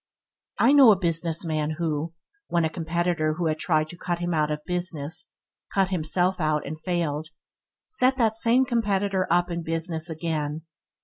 I know a business man who, when a competitor who had tried to 'cut him out' in business, cut himself out and failed, set that same competitor up in business again.